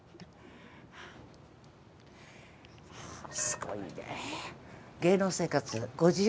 すごいねえ。